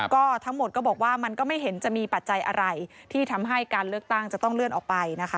ก็ทั้งหมดก็บอกว่ามันก็ไม่เห็นจะมีปัจจัยอะไรที่ทำให้การเลือกตั้งจะต้องเลื่อนออกไปนะคะ